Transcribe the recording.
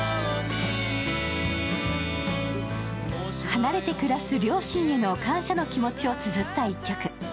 離れて暮らす両親への感謝の気持ちをつづった一曲。